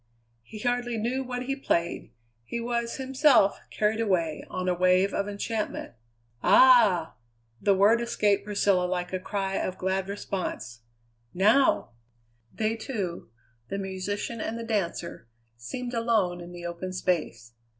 He hardly knew what he played; he was himself, carried away on a wave of enchantment. "Ah!" The word escaped Priscilla like a cry of glad response. "Now!" They two, the musician and the dancer, seemed alone in the open space.